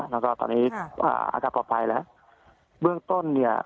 แล้วก็ตอนนี้อ่าอาการปลอดภัยแล้วเบื้องต้นเนี่ย